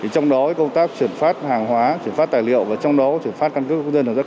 trong đó công tác truyền phát hàng hóa truyền phát tài liệu và trong đó truyền phát căn cước công dân